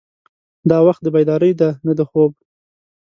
دا وخت د بیدارۍ دی نه د خوب.